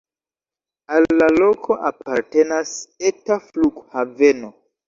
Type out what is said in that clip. Al la loko apartenas eta flughaveno.